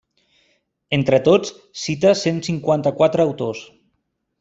Entre tots, cita cent cinquanta-quatre autors.